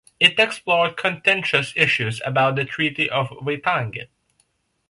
It explored contentious issues about the Treaty of Waitangi.